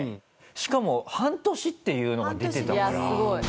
しかも半年っていうのが出てたから。